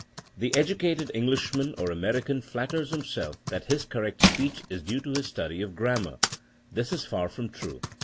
The educated Englishman or American flatters himself that his correct speech is due to his study of gram mar. This is far from true.